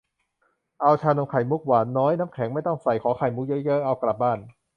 เอาชานมไข่มุก หวานน้อย น้ำแข็งไม่ต้องใส่ ขอไข่มุกเยอะ ๆ เอากลับบ้าน